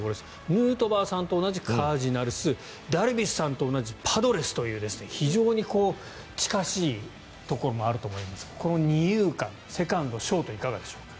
ヌートバーさんと同じカージナルスダルビッシュさんと同じパドレスという非常に近しいところもあると思いますがこの二遊間、セカンド、ショートいかがでしょうか。